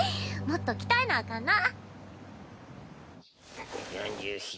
もっと鍛えなあかんな。